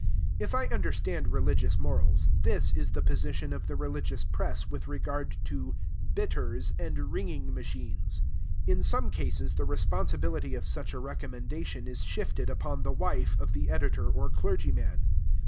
If I understand religious morals, this is the position of the religious press with regard to bitters and wringing machines. In some cases, the responsibility of such a recommendation is shifted upon the wife of the editor or clergy man.